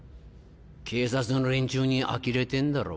警察の連中にあきれてんだろ。